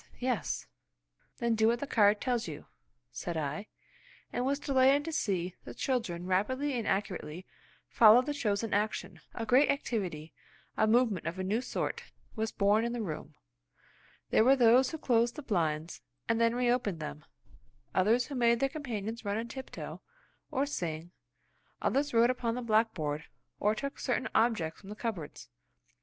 Yes!" "Then do what the card tells you," said I, and was delighted to see the children rapidly and accurately follow the chosen action. A great activity, a movement of a new sort, was born in the room. There were those who closed the blinds, and then reopened them; others who made their companions run on tiptoe, or sing; others wrote upon the blackboard, or took certain objects from the cupboards.